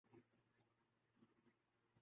ان کے بلے بازوں کے سامنے ہو گا